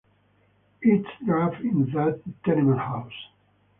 It's drab in that tenement house.